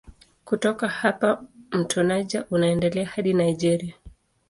Kutoka hapa mto Niger unaendelea hadi Nigeria.